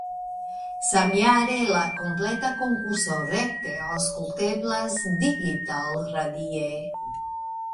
Samjare la kompleta konkurso rekte auŝkulteblas digitalradie.